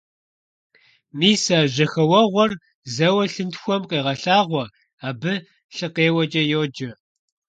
Мис а жьэхэуэгъуэр зэуэ лъынтхуэхэм къагъэлъагъуэ, абы лъыкъеуэкӀэ йоджэ.